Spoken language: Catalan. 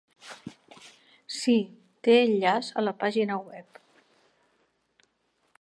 Sí, té l'enllaç a la pàgina web.